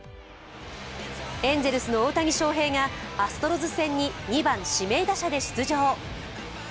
エンゼルスの大谷翔平がアストロズ戦に２番・指名打者で出場。